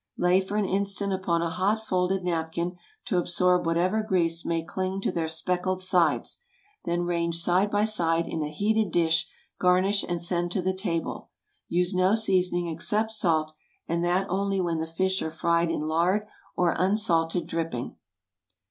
Lay for an instant upon a hot folded napkin, to absorb whatever grease may cling to their speckled sides; then range side by side in a heated dish, garnish, and send to the table. Use no seasoning except salt, and that only when the fish are fried in lard or unsalted dripping.